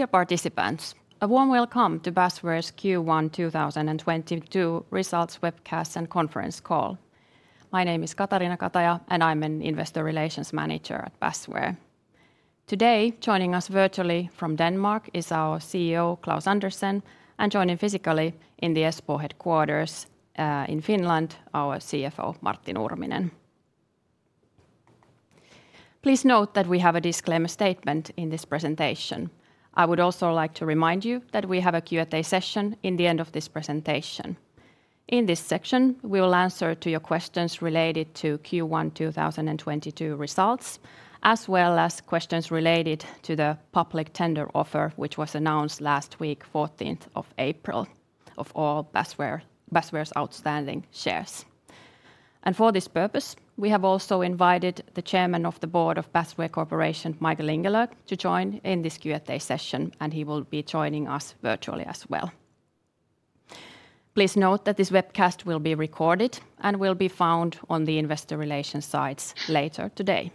Dear participants, a warm welcome to Basware's Q1 2022 results webcast and conference call. My name is Katariina Kataja, and I'm an Investor Relations Manager at Basware. Today, joining us virtually from Denmark is our CEO, Klaus Andersen, and joining physically in the Espoo headquarters in Finland, our CFO, Martti Nurminen. Please note that we have a disclaimer statement in this presentation. I would also like to remind you that we have a Q&A session in the end of this presentation. In this section, we will answer to your questions related to Q1 2022 results, as well as questions related to the public tender offer, which was announced last week, 14th of April, of all Basware's outstanding shares. For this purpose, we have also invited the Vice Chairman of the Board of Basware Corporation, Michael Ingelög, to join in this Q&A session, and he will be joining us virtually as well. Please note that this webcast will be recorded and will be found on the investor relations sites later today.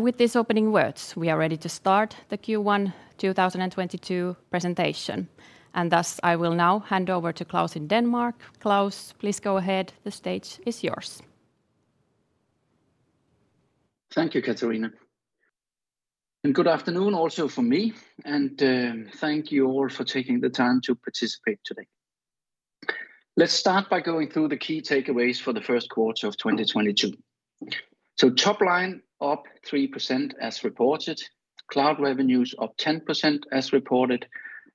With these opening words, we are ready to start the Q1 2022 presentation, and thus I will now hand over to Klaus in Denmark. Klaus, please go ahead. The stage is yours. Thank you, Katariina. Good afternoon also from me, and thank you all for taking the time to participate today. Let's start by going through the key takeaways for the first quarter of 2022. Top line up 3% as reported, cloud revenues up 10% as reported,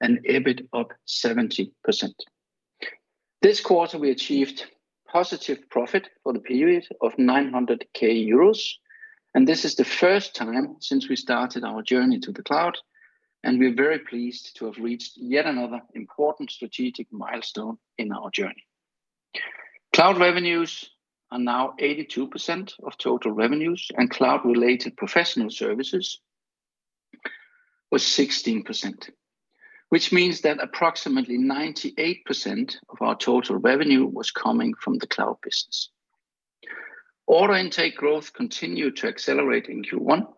and EBIT up 70%. This quarter, we achieved positive profit for the period of 900K euros, and this is the first time since we started our journey to the cloud, and we're very pleased to have reached yet another important strategic milestone in our journey. Cloud revenues are now 82% of total revenues, and cloud-related professional services was 16%, which means that approximately 98% of our total revenue was coming from the cloud business. Order intake growth continued to accelerate in Q1.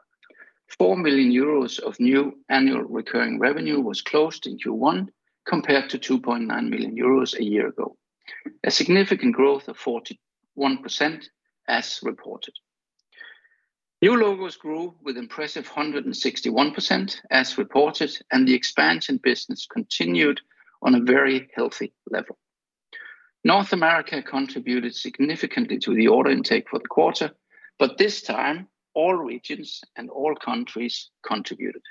4 million euros of new annual recurring revenue was closed in Q1 compared to 2.9 million euros a year ago, a significant growth of 41% as reported. New logos grew with impressive 161% as reported, and the expansion business continued on a very healthy level. North America contributed significantly to the order intake for the quarter, but this time, all regions and all countries contributed.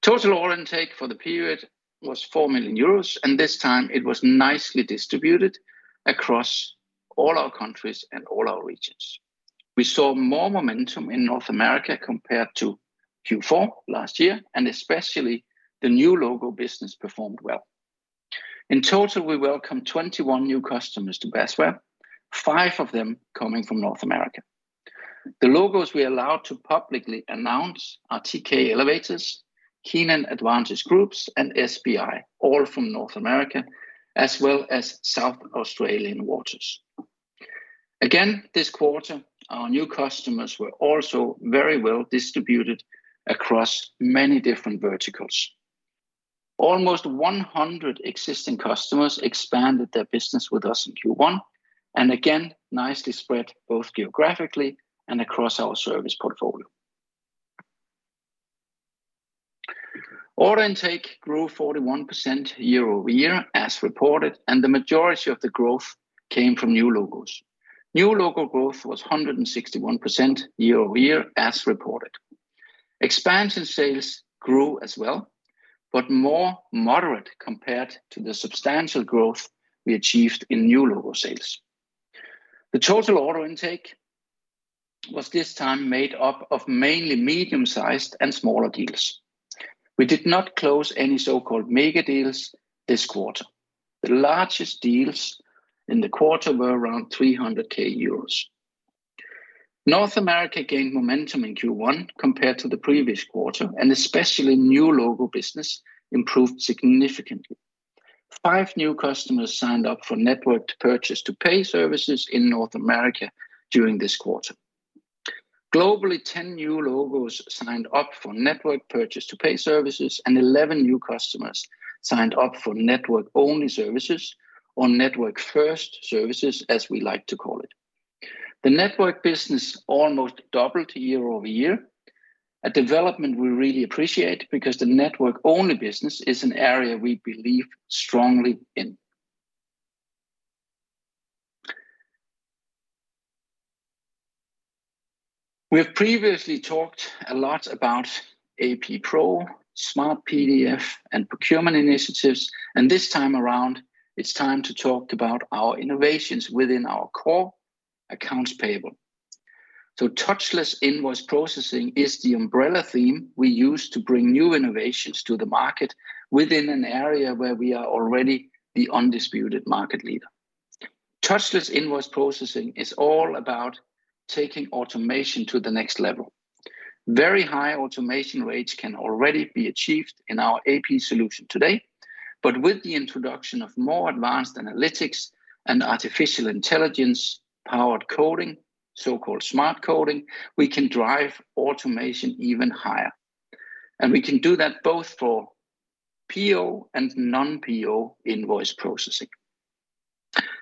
Total order intake for the period was 4 million euros, and this time it was nicely distributed across all our countries and all our regions. We saw more momentum in North America compared to Q4 last year, and especially the new logo business performed well. In total, we welcomed 21 new customers to Basware, five of them coming from North America. The logos we are allowed to publicly announce are TK Elevator, Kenan Advantage Group, and SBI, all from North America, as well as South Australian Water. This quarter, our new customers were also very well distributed across many different verticals. Almost 100 existing customers expanded their business with us in Q1, and again, nicely spread both geographically and across our service portfolio. Order intake grew 41% year-over-year as reported, and the majority of the growth came from new logos. New logo growth was 161% year-over-year as reported. Expansion sales grew as well, but more moderate compared to the substantial growth we achieved in new logo sales. The total order intake was this time made up of mainly medium-sized and smaller deals. We did not close any so-called mega deals this quarter. The largest deals in the quarter were around 300,000 euros. North America gained momentum in Q1 compared to the previous quarter, and especially new logo business improved significantly. 5 new customers signed up for Network Purchase-to-Pay services in North America during this quarter. Globally, 10 new logos signed up for Network Purchase-to-Pay services, and 11 new customers signed up for Network-only services or Network-first services, as we like to call it. The Network business almost doubled year-over-year, a development we really appreciate because the Network-only business is an area we believe strongly in. We have previously talked a lot about AP Pro, SmartPDF, and procurement initiatives, and this time around, it's time to talk about our innovations within our core accounts payable. Touchless invoice processing is the umbrella theme we use to bring new innovations to the market within an area where we are already the undisputed market leader. Touchless invoice processing is all about taking automation to the next level. Very high automation rates can already be achieved in our AP solution today. With the introduction of more advanced analytics and artificial intelligence-powered coding, so-called SmartCoding, we can drive automation even higher. We can do that both for PO and non-PO invoice processing.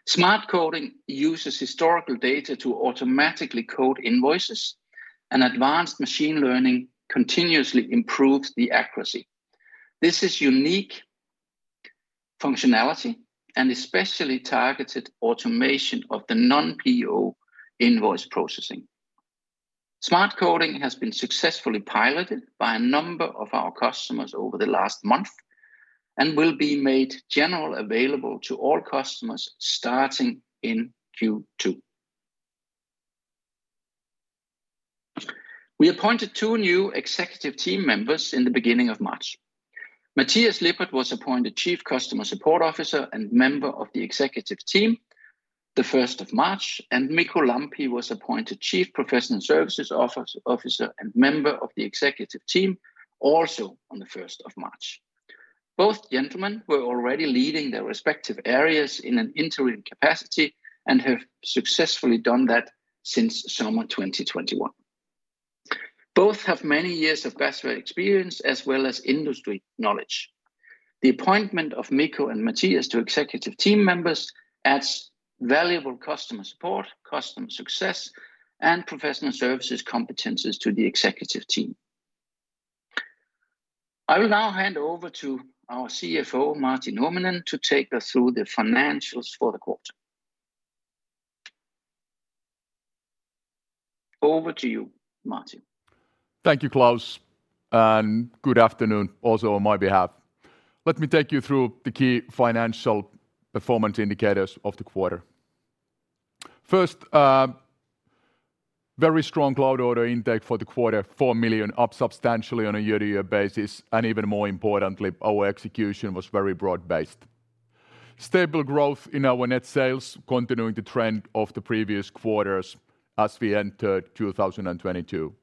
SmartCoding uses historical data to automatically code invoices, and advanced machine learning continuously improves the accuracy. This is unique functionality and especially targeted automation of the non-PO invoice processing. SmartCoding has been successfully piloted by a number of our customers over the last month and will be made generally available to all customers starting in Q2. We appointed two new executive team members in the beginning of March. Matthias Lippert was appointed Chief Customer Support Officer and member of the executive team the 1st of March, and Mikko Lampi was appointed Chief Professional Services Officer and member of the executive team also on the 1st of March. Both gentlemen were already leading their respective areas in an interim capacity and have successfully done that since summer 2021. Both have many years of Basware experience as well as industry knowledge. The appointment of Mikko and Matthias to executive team members adds valuable customer support, customer success, and professional services competencies to the executive team. I will now hand over to our CFO, Martti Nurminen, to take us through the financials for the quarter. Over to you, Martti. Thank you, Klaus, and good afternoon also on my behalf. Let me take you through the key financial performance indicators of the quarter. First, very strong cloud order intake for the quarter, 4 million, up substantially on a year-over-year basis, and even more importantly, our execution was very broad-based. Stable growth in our net sales, continuing the trend of the previous quarters as we enter 2022.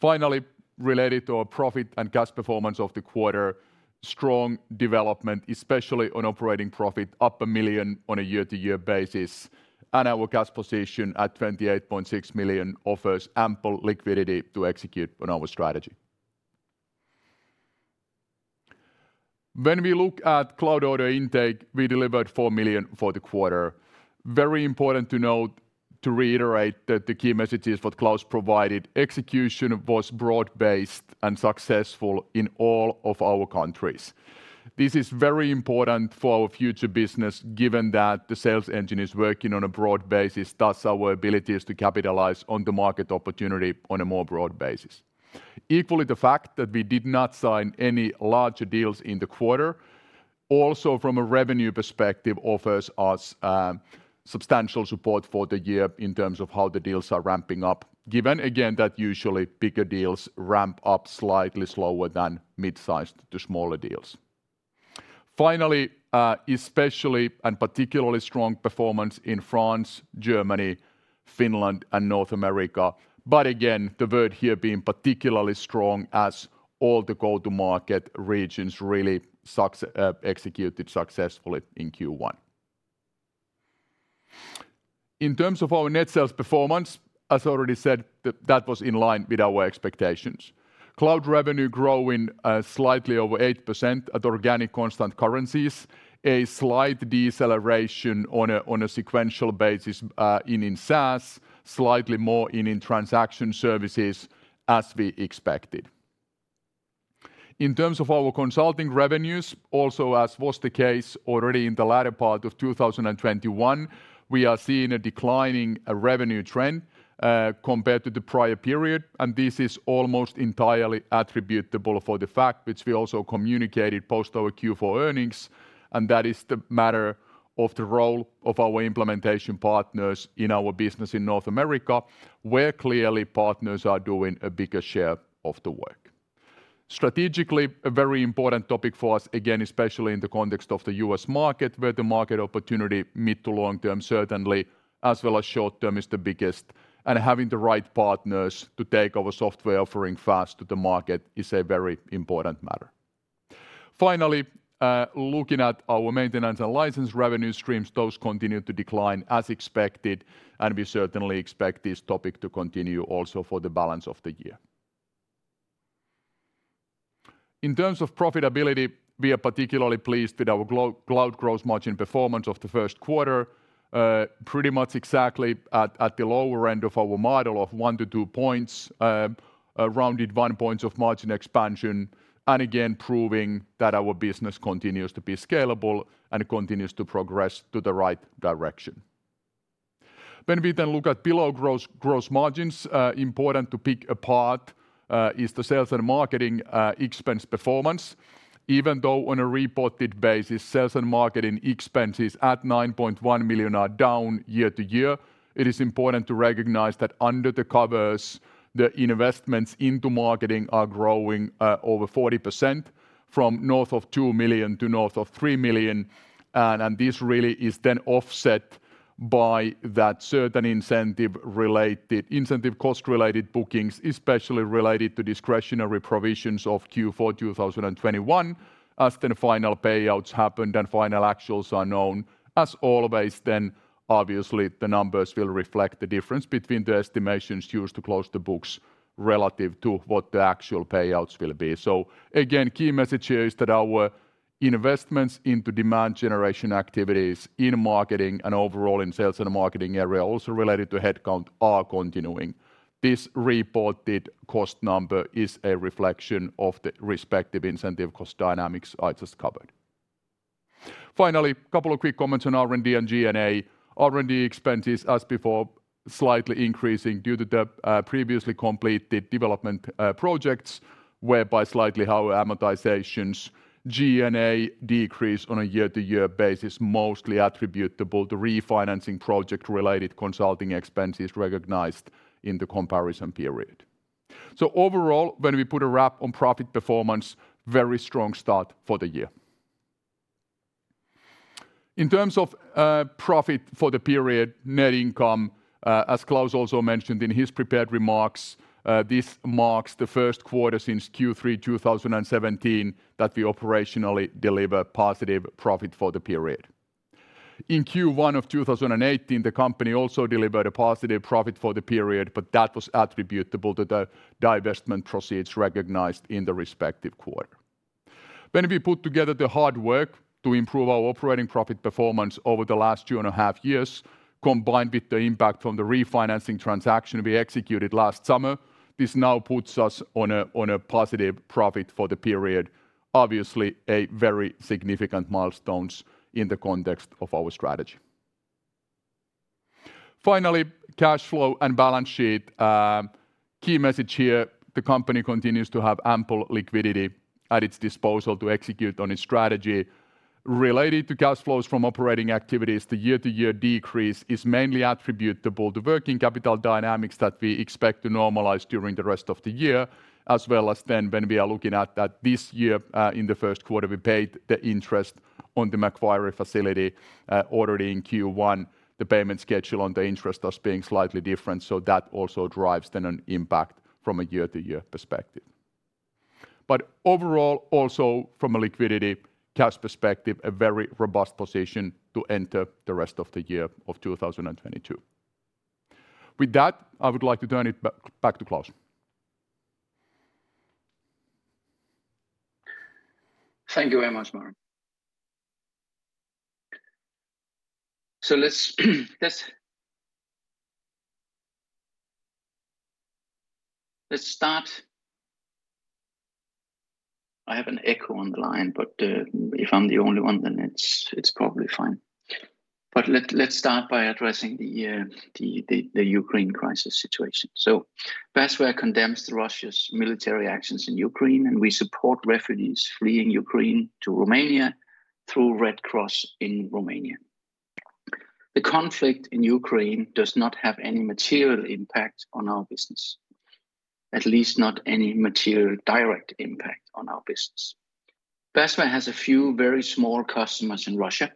Finally, related to our profit and cash performance of the quarter, strong development, especially on operating profit, up 1 million on a year-over-year basis, and our cash position at 28.6 million offers ample liquidity to execute on our strategy. When we look at cloud order intake, we delivered 4 million for the quarter. Very important to note, to reiterate that the key messages that Klaus provided, execution was broad-based and successful in all of our countries. This is very important for our future business, given that the sales engine is working on a broad basis, thus our ability is to capitalize on the market opportunity on a more broad basis. Equally, the fact that we did not sign any larger deals in the quarter, also from a revenue perspective, offers us, substantial support for the year in terms of how the deals are ramping up, given again that usually bigger deals ramp up slightly slower than mid-sized to smaller deals. Finally, especially and particularly strong performance in France, Germany, Finland, and North America. Again, the word here being particularly strong as all the go-to-market regions really executed successfully in Q1. In terms of our net sales performance, as already said, that was in line with our expectations. Cloud revenue growing slightly over 8% at organic constant currencies, a slight deceleration on a sequential basis in SaaS, slightly more in transaction services, as we expected. In terms of our consulting revenues, also as was the case already in the latter part of 2021, we are seeing a declining revenue trend compared to the prior period, and this is almost entirely attributable to the fact which we also communicated post our Q4 earnings, and that is the matter of the role of our implementation partners in our business in North America, where clearly partners are doing a bigger share of the work. Strategically, a very important topic for us, again, especially in the context of the U.S. market, where the market opportunity mid to long term, certainly, as well as short term, is the biggest, and having the right partners to take our software offering fast to the market is a very important matter. Finally, looking at our maintenance and license revenue streams, those continue to decline as expected, and we certainly expect this topic to continue also for the balance of the year. In terms of profitability, we are particularly pleased with our global cloud gross margin performance of the first quarter, pretty much exactly at the lower end of our model of 1-2 points, around 1 point of margin expansion, and again proving that our business continues to be scalable and continues to progress to the right direction. When we then look at below gross margins, important to pick apart is the sales and marketing expense performance. Even though on a reported basis, sales and marketing expenses at 9.1 million are down year-over-year, it is important to recognize that under the covers, the investments into marketing are growing over 40% from north of 2 million to north of 3 million. This really is then offset by that certain incentive cost related bookings, especially related to discretionary provisions of Q4 2021, as then final payouts happened and final actuals are known. As always then, obviously the numbers will reflect the difference between the estimations used to close the books relative to what the actual payouts will be. Again, key message here is that our investments into demand generation activities in marketing and overall in sales and marketing area also related to headcount are continuing. This reported cost number is a reflection of the respective incentive cost dynamics I just covered. Finally, couple of quick comments on R&D and G&A. R&D expenses, as before, slightly increasing due to the previously completed development projects, whereby slightly higher amortizations. G&A decrease on a year-to-year basis mostly attributable to refinancing project related consulting expenses recognized in the comparison period. Overall, when we put a wrap on profit performance, very strong start for the year. In terms of profit for the period net income, as Klaus also mentioned in his prepared remarks, this marks the first quarter since Q3 2017 that we operationally deliver positive profit for the period. In Q1 of 2018, the company also delivered a positive profit for the period, but that was attributable to the divestment proceeds recognized in the respective quarter. When we put together the hard work to improve our operating profit performance over the last 2.5 years, combined with the impact from the refinancing transaction we executed last summer, this now puts us on a positive profit for the period. Obviously, a very significant milestones in the context of our strategy. Finally, cash flow and balance sheet. Key message here, the company continues to have ample liquidity at its disposal to execute on its strategy. Related to cash flows from operating activities, the year-to-year decrease is mainly attributable to working capital dynamics that we expect to normalize during the rest of the year, as well as then when we are looking at that this year, in the first quarter we paid the interest on the Macquarie facility, already in Q1, the payment schedule on the interest as being slightly different. That also drives then an impact from a year-to-year perspective. Overall, also from a liquidity cash perspective, a very robust position to enter the rest of the year of 2022. With that, I would like to turn it back to Klaus. Thank you very much, Martti. Let's start. I have an echo on the line, but if I'm the only one, then it's probably fine. Let's start by addressing the Ukraine crisis situation. Basware condemns Russia's military actions in Ukraine, and we support refugees fleeing Ukraine to Romania through Romanian Red Cross. The conflict in Ukraine does not have any material impact on our business, at least not any material direct impact on our business. Basware has a few very small customers in Russia.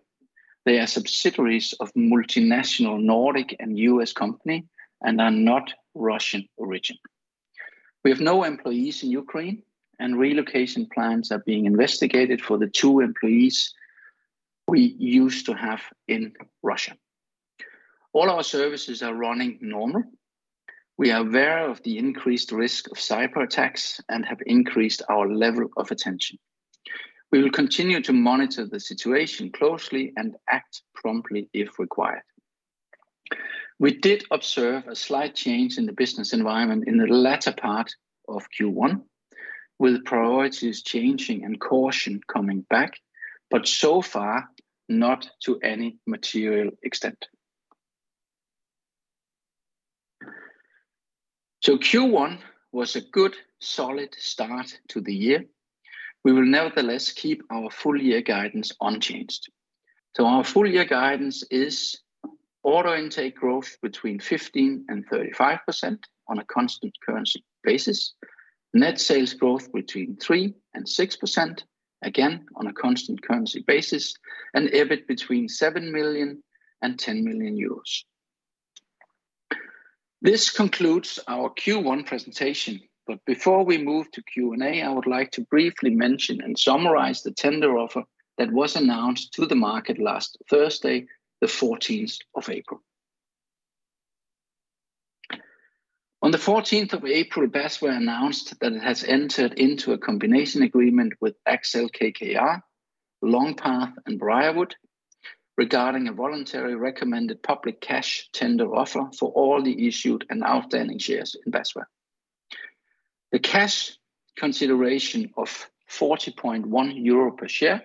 They are subsidiaries of multinational Nordic and U.S. company and are not Russian origin. We have no employees in Ukraine, and relocation plans are being investigated for the two employees we used to have in Russia. All our services are running normally. We are aware of the increased risk of cyberattacks and have increased our level of attention. We will continue to monitor the situation closely and act promptly if required. We did observe a slight change in the business environment in the latter part of Q1, with priorities changing and caution coming back, but so far not to any material extent. Q1 was a good, solid start to the year. We will nevertheless keep our full year guidance unchanged. Our full year guidance is order intake growth between 15% and 35% on a constant currency basis, net sales growth between 3% and 6%, again on a constant currency basis, and EBIT between 7 million and 10 million euros. This concludes our Q1 presentation. Before we move to Q&A, I would like to briefly mention and summarize the tender offer that was announced to the market last Thursday, the 14th of April. On the 14th of April, Basware announced that it has entered into a combination agreement with Accel-KKR, Long Path, and Briarwood regarding a voluntary recommended public cash tender offer for all the issued and outstanding shares in Basware. The cash consideration of 40.1 euro per share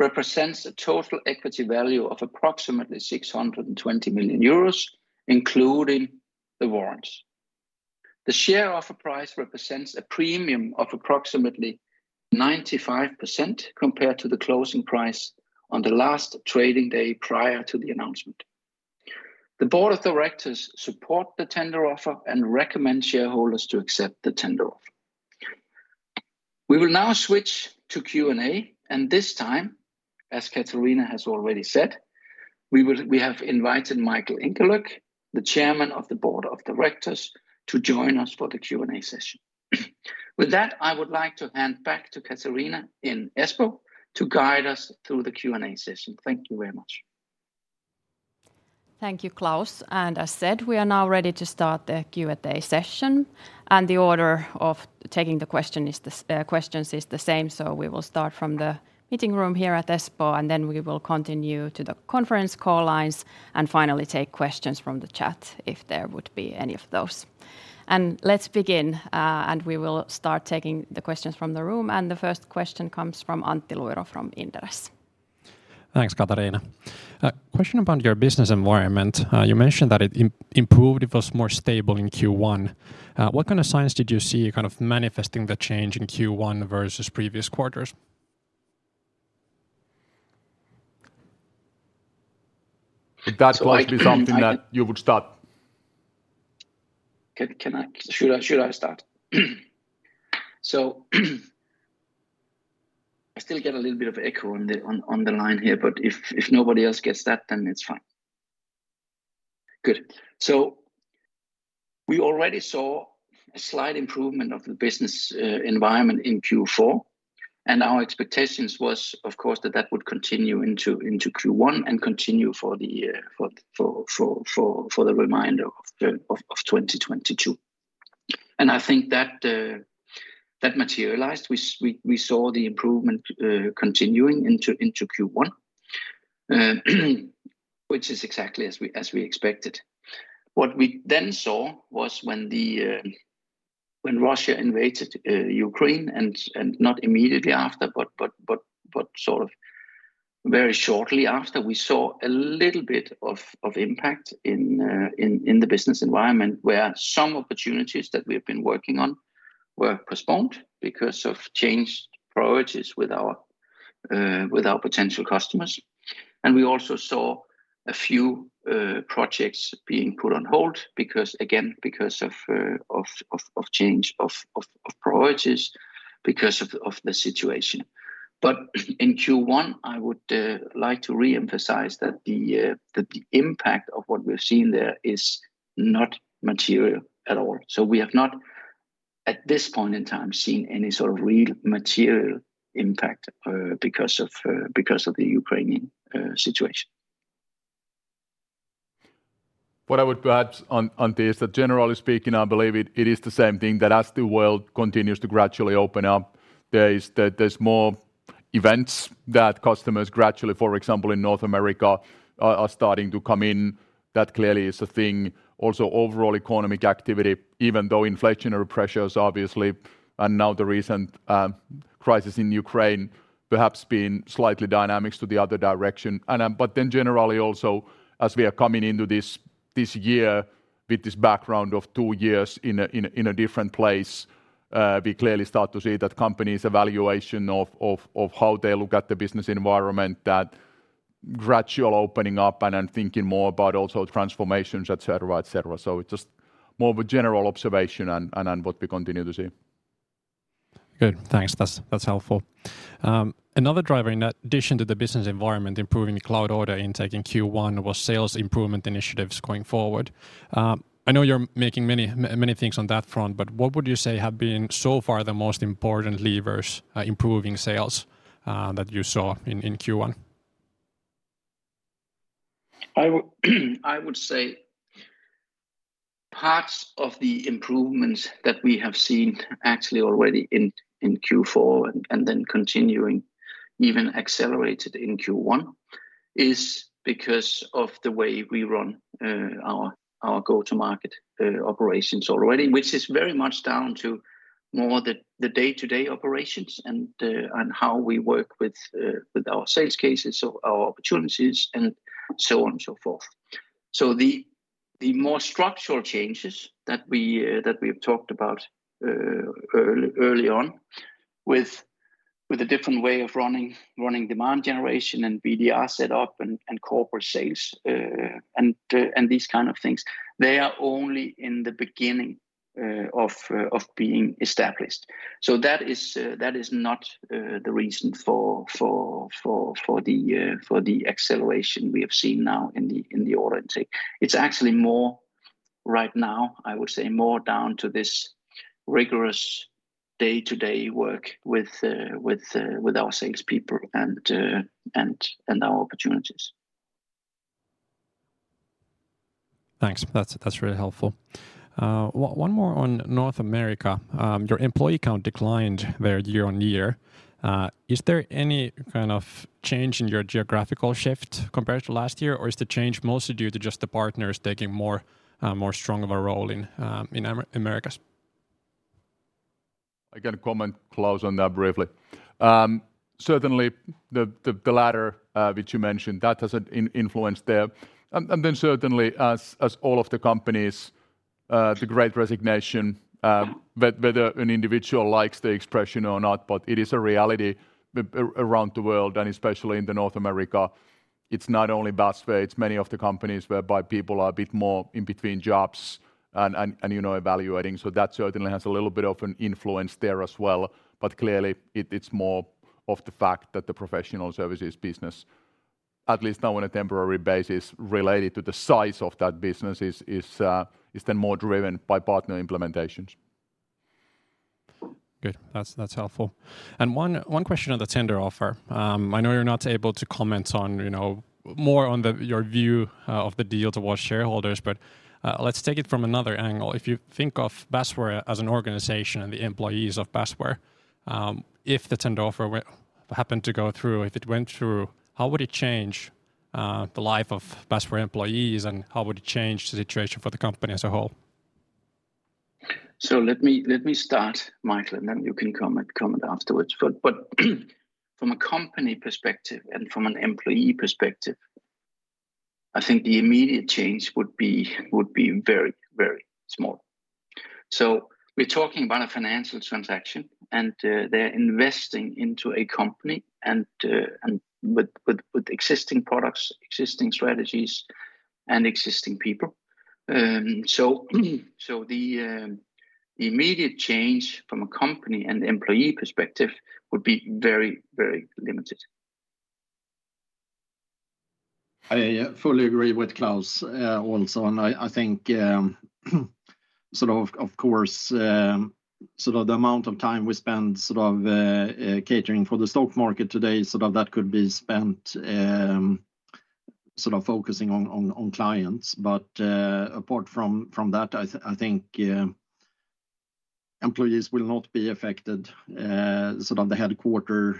represents a total equity value of approximately 620 million euros, including the warrants. The share offer price represents a premium of approximately 95% compared to the closing price on the last trading day prior to the announcement. The board of directors support the tender offer and recommend shareholders to accept the tender offer. We will now switch to Q&A, and this time, as Katariina has already said, we have invited Michael Ingelög, the Vice Chairman of the Board of Directors, to join us for the Q&A session. With that, I would like to hand back to Katariina in Espoo to guide us through the Q&A session. Thank you very much. Thank you, Klaus. As said, we are now ready to start the Q&A session. The order of taking the questions is the same, so we will start from the meeting room here at Espoo, and then we will continue to the conference call lines, and finally take questions from the chat if there would be any of those. Let's begin, and we will start taking the questions from the room. The first question comes from Antti Luiro from Inderes. Thanks, Katariina. A question about your business environment. You mentioned that it improved, it was more stable in Q1. What kind of signs did you see kind of manifesting the change in Q1 versus previous quarters? That might be something that you would start. Can I? Should I start? I still get a little bit of echo on the line here, but if nobody else gets that, then it's fine. Good. We already saw a slight improvement of the business environment in Q4, and our expectations was, of course, that would continue into Q1 and continue for the year, for the remainder of 2022. I think that materialized. We saw the improvement continuing into Q1, which is exactly as we expected. What we then saw was when Russia invaded Ukraine and not immediately after, but sort of very shortly after, we saw a little bit of impact in the business environment, where some opportunities that we've been working on were postponed because of changed priorities with our potential customers. We also saw a few projects being put on hold because, again, because of change of priorities because of the situation. In Q1, I would like to re-emphasize that the impact of what we're seeing there is not material at all. We have not, at this point in time, seen any sort of real material impact because of the Ukrainian situation. What I would add on this is that generally speaking, I believe it is the same thing that as the world continues to gradually open up, there's more events that customers gradually, for example, in North America, are starting to come in. That clearly is a thing. Also, overall economic activity, even though inflationary pressures obviously and now the recent crisis in Ukraine has perhaps been slightly changing the dynamics to the other direction. Generally also, as we are coming into this year with this background of two years in a different place, we clearly start to see that companies' evaluation of how they look at the business environment, that gradual opening up and thinking more about also transformations, et cetera, et cetera. It's just more of a general observation on what we continue to see. Good. Thanks. That's helpful. Another driver in addition to the business environment improving cloud order intake in Q1 was sales improvement initiatives going forward. I know you're making many things on that front, but what would you say have been so far the most important levers improving sales that you saw in Q1? I would say parts of the improvements that we have seen actually already in Q4 and then continuing, even accelerated in Q1, is because of the way we run our go-to-market operations already, which is very much down to more the day-to-day operations and how we work with our sales cases, so our opportunities and so on and so forth. The more structural changes that we have talked about early on with a different way of running demand generation and BDR set up and corporate sales and these kind of things, they are only in the beginning of being established. That is not the reason for the acceleration we have seen now in the order intake. It's actually more right now, I would say, more down to this rigorous day-to-day work with our salespeople and our opportunities. Thanks. That's really helpful. One more on North America. Your employee count declined there year on year. Is there any kind of change in your geographical shift compared to last year? Or is the change mostly due to just the partners taking more strong of a role in Americas? I can comment, Klaus, on that briefly. Certainly the latter, which you mentioned, that has an influence there. Certainly as all of the companies, the Great Resignation. Whether an individual likes the expression or not, but it is a reality around the world, and especially in North America. It's not only Basware, it's many of the companies whereby people are a bit more in between jobs and, you know, evaluating. That certainly has a little bit of an influence there as well. But clearly it's more of the fact that the professional services business, at least now on a temporary basis related to the size of that business, is then more driven by partner implementations. Good. That's helpful. One question on the tender offer. I know you're not able to comment on, you know, more on your view of the deal towards shareholders, but let's take it from another angle. If you think of Basware as an organization and the employees of Basware, if the tender offer happened to go through, if it went through, how would it change the life of Basware employees, and how would it change the situation for the company as a whole? Let me start, Michael, and then you can comment afterwards. From a company perspective and from an employee perspective, I think the immediate change would be very small. We're talking about a financial transaction, and they're investing into a company and with existing products, existing strategies, and existing people. The immediate change from a company and employee perspective would be very limited. I fully agree with Klaus also. I think, of course, the amount of time we spend sort of catering for the stock market today, sort of that could be spent sort of focusing on clients. Apart from that, I think employees will not be affected. The headquarters,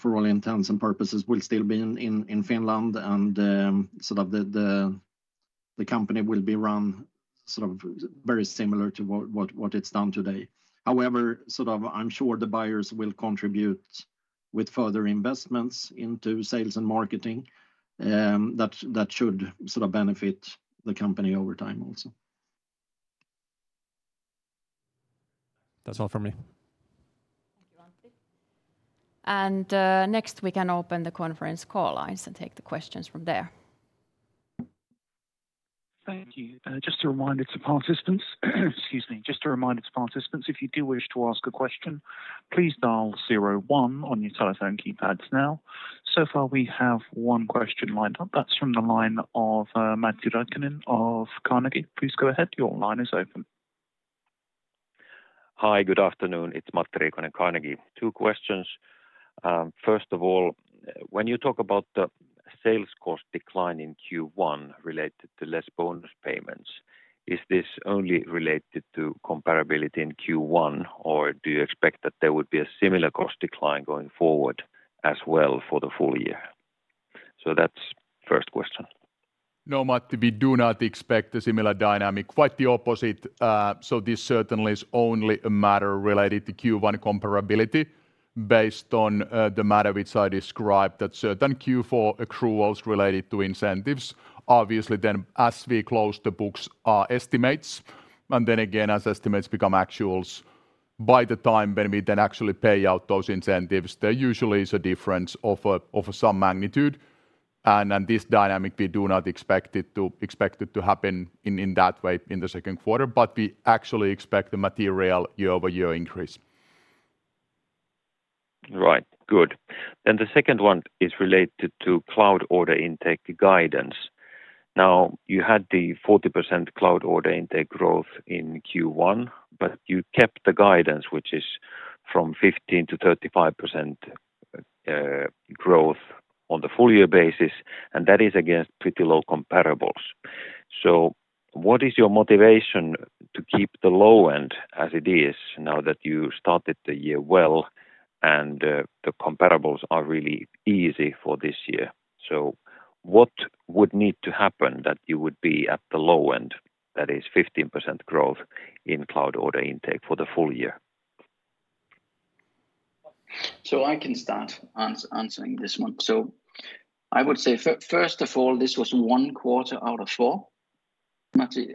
for all intents and purposes, will still be in Finland and sort of the company will be run sort of very similar to what it's done today. However, sort of I'm sure the buyers will contribute with further investments into sales and marketing that should sort of benefit the company over time also. That's all from me. Thank you, Antti. Next we can open the conference call lines and take the questions from there. Thank you. Just a reminder to participants, if you do wish to ask a question, please dial zero one on your telephone keypads now. So far we have one question lined up. That's from the line of Matti Riikonen of Carnegie. Please go ahead. Your line is open. Hi. Good afternoon. It's Matti Riikonen, Carnegie. Two questions. First of all, when you talk about the sales cost decline in Q1 related to less bonus payments, is this only related to comparability in Q1, or do you expect that there would be a similar cost decline going forward as well for the full year? That's first question. No, Matti, we do not expect a similar dynamic. Quite the opposite. This certainly is only a matter related to Q1 comparability based on the matter which I described that certain Q4 accruals related to incentives. Obviously as we close the books, estimates, and then again as estimates become actuals, by the time when we then actually pay out those incentives, there usually is a difference of some magnitude. This dynamic, we do not expect it to happen in that way in the second quarter. We actually expect a material year-over-year increase. Right. Good. The second one is related to cloud order intake guidance. Now, you had the 40% cloud order intake growth in Q1, but you kept the guidance, which is from 15%-35%, growth on the full year basis, and that is against pretty low comparables. What is your motivation to keep the low end as it is now that you started the year well and, the comparables are really easy for this year? What would need to happen that you would be at the low end, that is 15% growth in cloud order intake for the full year? I can start answering this one. I would say first of all, this was one quarter out of four, Matti,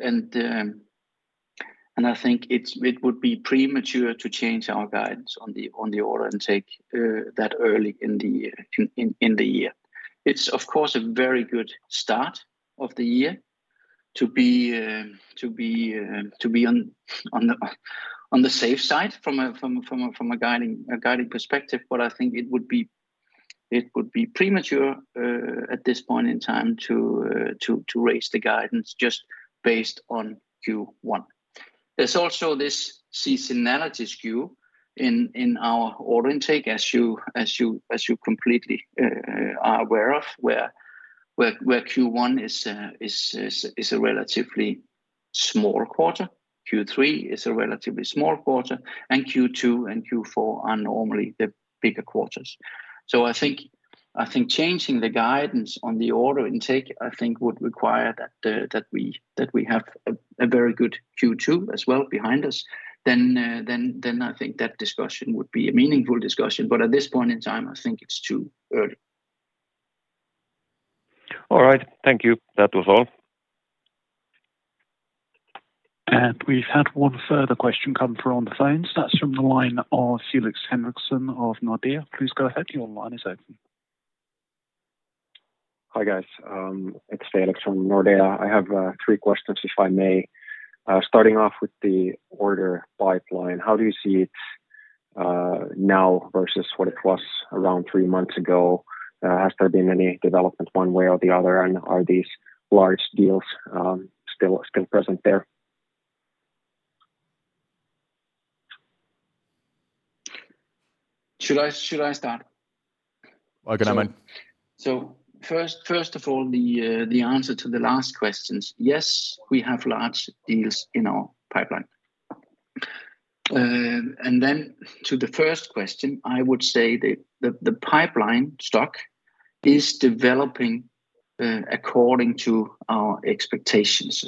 and I think it would be premature to change our guidance on the order intake that early in the year. It's of course a very good start of the year to be on the safe side from a guidance perspective. I think it would be premature at this point in time to raise the guidance just based on Q1. There's also this seasonality skew in our order intake, as you completely are aware of, where Q1 is a relatively small quarter, Q3 is a relatively small quarter, and Q2 and Q4 are normally the bigger quarters. I think changing the guidance on the order intake would require that we have a very good Q2 as well behind us. I think that discussion would be a meaningful discussion. At this point in time, I think it's too early. All right. Thank you. That was all. We've had one further question come through on the phone. That's from the line of Felix Henriksson of Nordea. Please go ahead. Your line is open. Hi, guys. It's Felix from Nordea. I have three questions, if I may. Starting off with the order pipeline, how do you see it now versus what it was around three months ago? Has there been any development one way or the other, and are these large deals still present there? Should I start? I can answer. First of all, the answer to the last questions, yes, we have large deals in our pipeline. Then to the first question, I would say the pipeline stock is developing according to our expectations.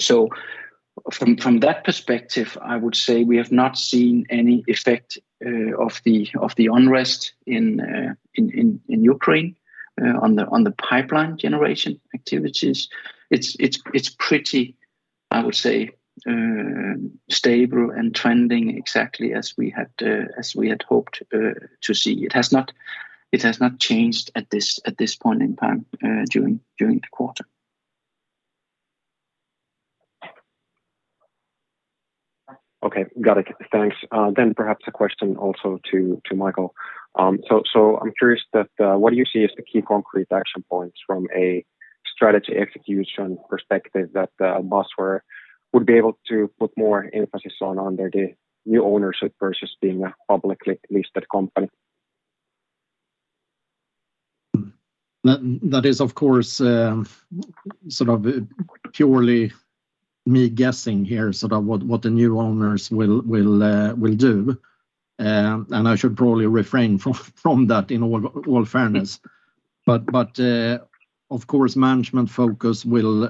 From that perspective, I would say we have not seen any effect of the unrest in Ukraine on the pipeline generation activities. It's pretty, I would say, stable and trending exactly as we had hoped to see. It has not changed at this point in time during the quarter. Okay. Got it. Thanks. Perhaps a question also to Michael. I'm curious what do you see as the key concrete action points from a strategy execution perspective that Basware would be able to put more emphasis on under the new ownership versus being a publicly listed company? That is of course sort of purely me guessing here sort of what the new owners will do. I should probably refrain from that in all fairness. Of course management focus will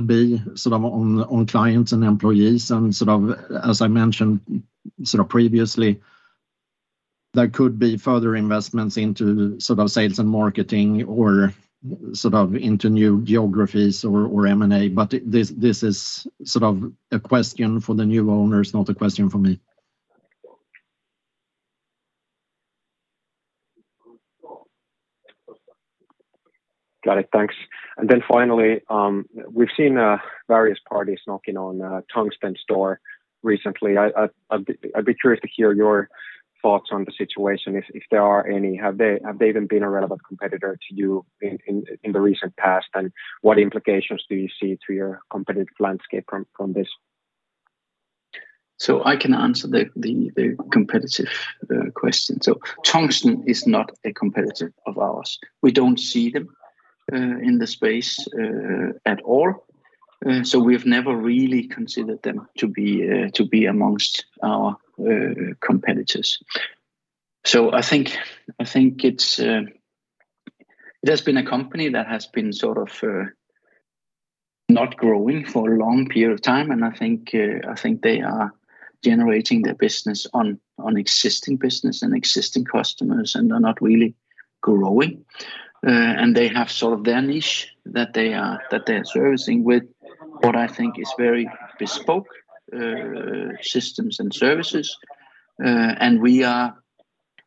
be sort of on clients and employees and sort of as I mentioned sort of previously there could be further investments into sort of sales and marketing or sort of into new geographies or M&A. This is sort of a question for the new owners, not a question for me. Got it. Thanks. Finally, we've seen various parties knocking on Tungsten's door recently. I'd be curious to hear your thoughts on the situation if there are any. Have they even been a relevant competitor to you in the recent past? What implications do you see to your competitive landscape from this? I can answer the competitive question. Tungsten is not a competitor of ours. We don't see them in the space at all. We've never really considered them to be amongst our competitors. I think it has been a company that has been sort of not growing for a long period of time, and I think they are generating their business on existing business and existing customers and are not really growing. They have sort of their niche that they're servicing with what I think is very bespoke systems and services. We are,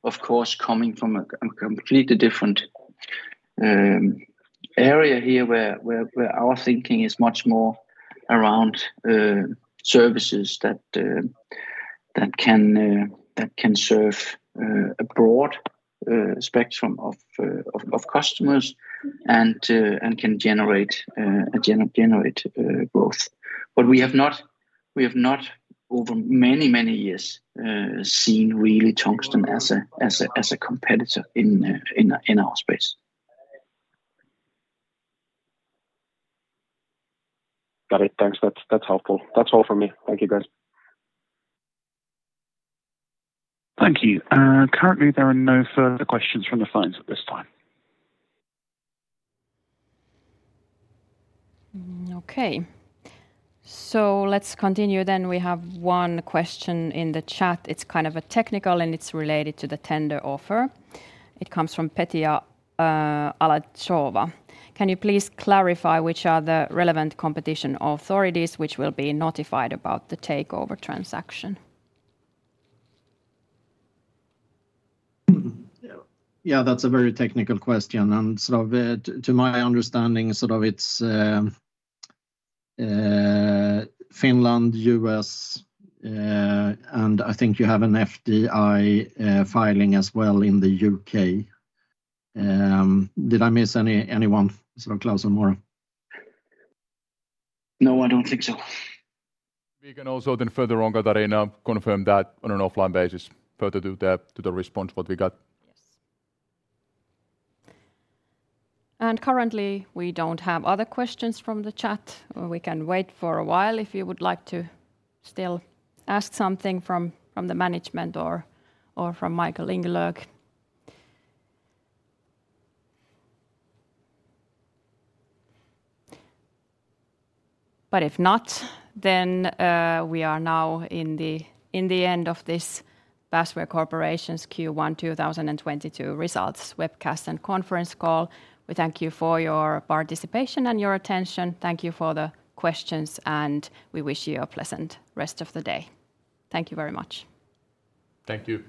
of course, coming from a completely different area here where our thinking is much more around services that can serve a broad spectrum of customers and can generate growth. We have not over many, many years seen really Tungsten as a competitor in our space. Got it. Thanks. That's helpful. That's all from me. Thank you, guys. Thank you. Currently there are no further questions from the phones at this time. Okay. Let's continue. We have one question in the chat. It's kind of a technical, and it's related to the tender offer. It comes from Petya Todorova. Can you please clarify which are the relevant competition authorities which will be notified about the takeover transaction? Yeah. Yeah, that's a very technical question. Sort of to my understanding, sort of it's Finland, U.S., and I think you have an FDI filing as well in the U.K. Did I miss anyone, sort of Klaus or Martti? No, I don't think so. We can also then further on Katariina confirm that on an offline basis further to the response what we got. Yes. Currently we don't have other questions from the chat, or we can wait for a while if you would like to still ask something from the management or from Michael Ingelög. If not, we are now in the end of this Basware Corporation's Q1 2022 results webcast and conference call. We thank you for your participation and your attention. Thank you for the questions, and we wish you a pleasant rest of the day. Thank you very much. Thank you.